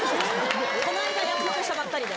この間約束したばっかりで。